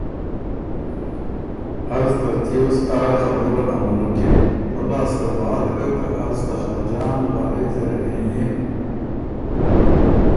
از ترتیوس اره خبُرئ امرکِن، پۀ لاسته بعد ګه که از ته خاجان لغرئ زر هېنئِم۔